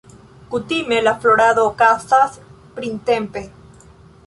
Kutime la florado okazas printempe.